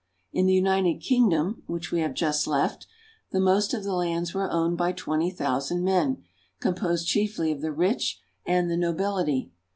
In the United Kingdom, which we have just left, the most of the lands were owned by twenty thousand men, composed chiefly of the rich and the nobility.